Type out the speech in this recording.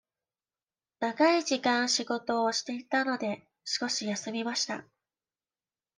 長い時間仕事をしていたので、少し休みました。